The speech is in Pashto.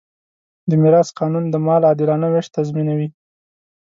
د میراث قانون د مال عادلانه وېش تضمینوي.